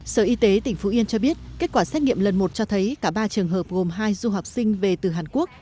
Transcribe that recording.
sở y tế tỉnh phú yên cho biết kết quả xét nghiệm lần một cho thấy cả ba trường hợp gồm hai du học sinh về từ hàn quốc